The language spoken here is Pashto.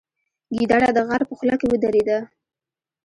ګیدړه د غار په خوله کې ودرېده.